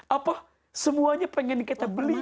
apa semuanya pengen kita beli